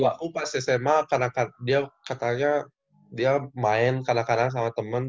bapakku pas sma kadang kadang dia katanya dia main kadang kadang sama temen